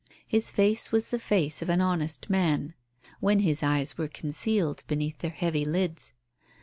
His face was the face of an honest man when his eyes were concealed beneath their heavy lids.